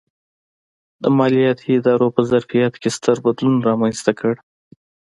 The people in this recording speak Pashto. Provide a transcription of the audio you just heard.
د مالیاتي ادارو په ظرفیت کې ستر بدلون رامنځته کړ.